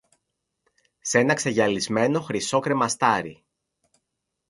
σ' ένα ξεγυαλισμένο χρυσό κρεμαστάρι